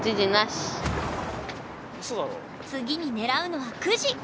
次に狙うのは９時。